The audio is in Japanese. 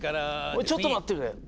おいちょっと待ってくれ。